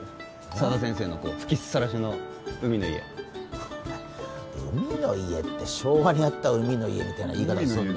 佐田先生の吹きっさらしの海の家お前海の家って昭和にあった海の家みたいな言い方すんなよ